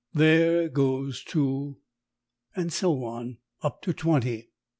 "There goes two " and so on, up to twenty.